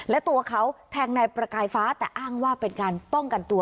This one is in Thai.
และตัวเขาแทงนายประกายฟ้าแต่อ้างว่าเป็นการป้องกันตัว